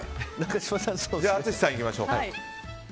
じゃあ淳さんいきましょうか。